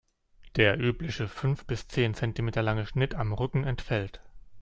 Der übliche fünf bis zehn Zentimeter lange Schnitt am Rücken entfällt.